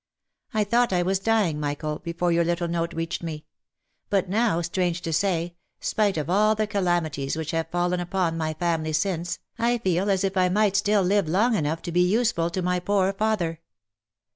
I thought I was dying, Michael, before your little note reached me ; but now, strange to say, spite of all the calamities which have fallen upon my family since, I feel as if I might still live long enough to be useful to my poor father.